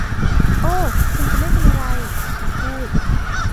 โอ้ คุณจะไม่เป็นอะไร ฉันพูด